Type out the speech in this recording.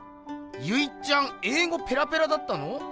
ゆいっちゃんえい語ペラペラだったの？